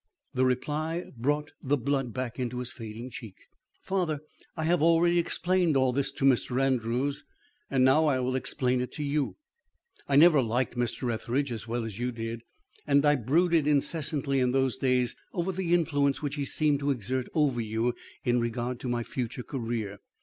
The reply brought the blood back into his fading cheek. "Father, I have already explained all this to Mr. Andrews, and now I will explain it to you. I never liked Mr. Etheridge as well as you did, and I brooded incessantly in those days over the influence which he seemed to exert over you in regard to my future career.